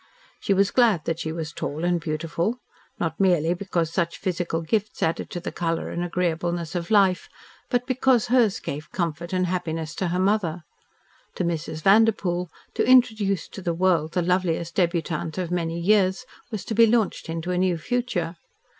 She was glad that she was tall and beautiful, not merely because such physical gifts added to the colour and agreeableness of life, but because hers gave comfort and happiness to her mother. To Mrs. Vanderpoel, to introduce to the world the loveliest debutante of many years was to be launched into a new future.